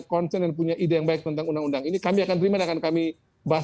concern dan punya ide yang baik tentang undang undang ini kami akan terima dan akan kami bahas